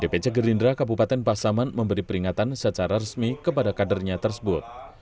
dpc gerindra kabupaten pasaman memberi peringatan secara resmi kepada kadernya tersebut